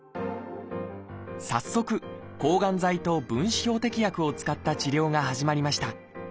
早速抗がん剤と分子標的薬を使った治療が始まりました。